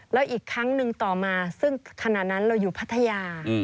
แล้วอีกครั้งหนึ่งต่อมาซึ่งขณะนั้นเราอยู่พัทยา